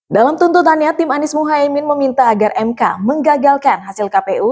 dalam tuntutannya tim anies muhaymin meminta agar mk menggagalkan hasil kpu